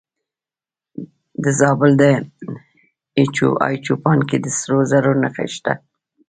د زابل په دایچوپان کې د سرو زرو نښې شته.